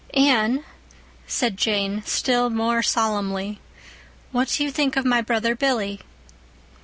"Anne," said Jane, still more solemnly, "what do you think of my brother Billy?"